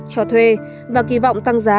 cho thuê và kỳ vọng tăng giá